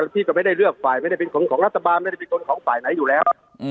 ที่ก็ไม่ได้เลือกฝ่ายไม่ได้เป็นคนของรัฐบาลไม่ได้เป็นคนของฝ่ายไหนอยู่แล้ว